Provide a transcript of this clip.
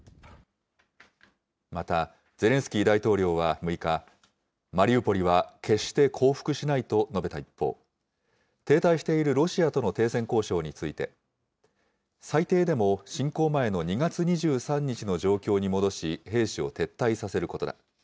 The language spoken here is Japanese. またゼレンスキー大統領は６日、マリウポリは決して降伏しないと述べた一方、停滞しているロシアとの停戦交渉について、最低でも侵攻前の２月２３日の状況に戻し、兵士を撤退させることだ。